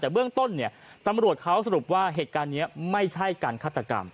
แต่เบื้องต้นเนี่ยตำรวจเขาสรุปว่าเหตุการณ์นี้ไม่ใช่การฆาตกรรม